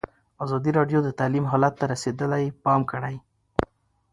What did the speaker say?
ازادي راډیو د تعلیم حالت ته رسېدلي پام کړی.